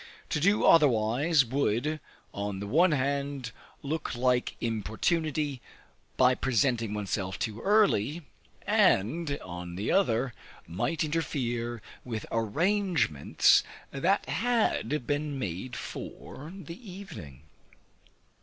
To do otherwise would, on the one hand, look like importunity, by presenting one's self too early; and on the other, might interfere with arrangements that had been made for the evening.